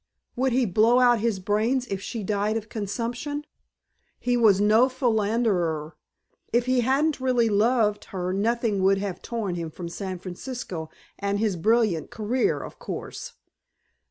Would he blow out his brains if she died of consumption? He was no philanderer. If he hadn't really loved her nothing would have torn him from San Francisco and his brilliant career; of course.